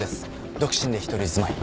独身で一人住まい。